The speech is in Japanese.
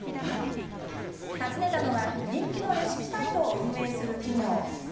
訪ねたのは人気のレシピサイトを運営する企業。